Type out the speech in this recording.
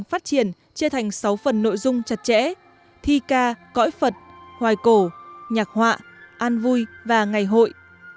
phát triển chia thành sáu phần nội dung chặt chẽ thi ca cõi phật hoài cổ nhạc họa an vui và ngày hội